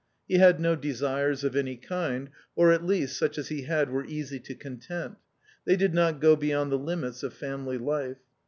He had no desires of any kind, or at least such as he had were easy to content ; they did not go beyond the limits of family life.